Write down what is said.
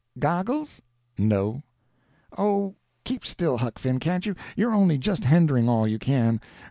"Goggles?" "No." "Oh, keep still, Huck Finn, can't you, you're only just hendering all you can.